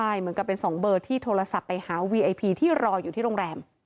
ใช่เหมือนกับเป็น๒เบอร์ที่โทรศัพท์ไปหาวีไอพีที่รออยู่ที่โรงแรม